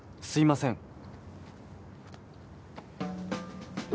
すいません。